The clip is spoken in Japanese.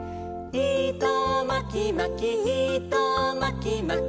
「いとまきまきいとまきまき」